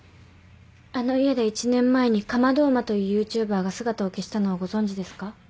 あの家で１年前にカマドウマというユーチューバーが姿を消したのはご存じですか？